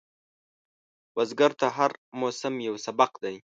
بزګر ته هر موسم یو سبق دی